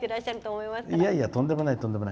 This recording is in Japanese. いやいや、とんでもない。